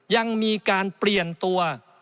ยังมีการเปลี่ยนตัว